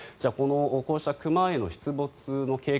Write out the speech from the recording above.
こうした熊への出没の警戒